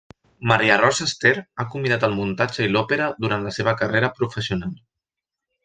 Maria Rosa Ester ha combinat el muntatge i l'òpera durant la seva carrera professional.